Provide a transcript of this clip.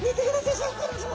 シャーク香音さま！